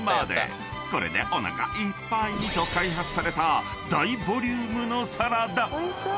［これでおなかいっぱいにと開発された大ボリュームのサラダ］